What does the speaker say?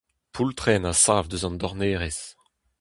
Poultrenn a sav eus an dornerez.